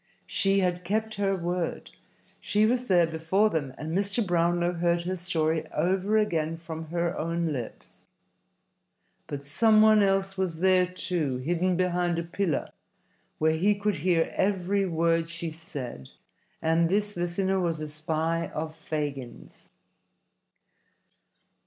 She had kept her word. She was there before them, and Mr. Brownlow heard her story over again from her own lips. But some one else was there, too, hidden behind a pillar, where he could hear every word she said, and this listener was a spy of Fagin's.